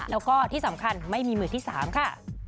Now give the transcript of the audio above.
แล้วก็ที่สำคัญไม่มีมือที่๓ค่ะ